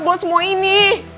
buat semua ini